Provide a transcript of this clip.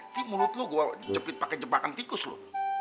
di mulut lo gue jepit pakai jebakan tikus lo